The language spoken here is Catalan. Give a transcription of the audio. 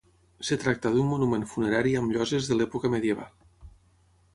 Es tracta d'un monument funerari amb lloses de l'època medieval.